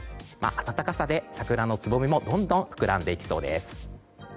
暖かさで桜のつぼみもどんどん膨らんでいきそうです。